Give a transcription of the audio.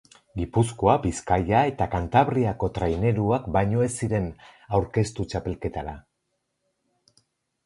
Gipuzkoa, Bizkaia eta Kantabriako traineruak baino ez ziren aurkeztu txapelketara.